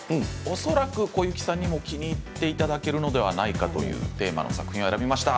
恐らく小雪さんにも気に入っていただけるのではないかというテーマの作品を選びました。